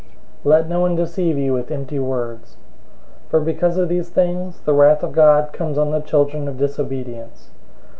005:006 Let no one deceive you with empty words. For because of these things, the wrath of God comes on the children of disobedience.